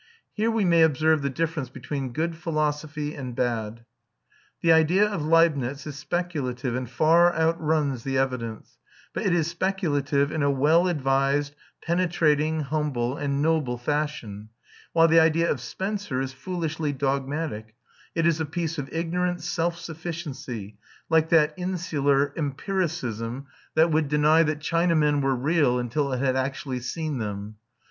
Here we may observe the difference between good philosophy and bad. The idea of Leibnitz is speculative and far outruns the evidence, but it is speculative in a well advised, penetrating, humble, and noble fashion; while the idea of Spencer is foolishly dogmatic, it is a piece of ignorant self sufficiency, like that insular empiricism that would deny that Chinamen were real until it had actually seen them.